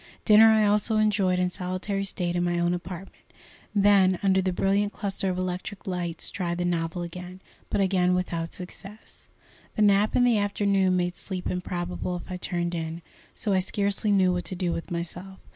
Dinner I also enjoyed in solitary state in my own apartment, then, under the brilliant cluster of electric lights, tried the novel again, but again without success. The nap in the afternoon made sleep improbable if I turned in, so I scarcely knew what to do with myself.